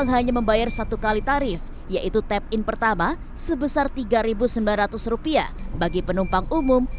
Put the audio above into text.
hanya membayar satu kali tarif yaitu tap in pertama sebesar rp tiga sembilan ratus bagi penumpang umum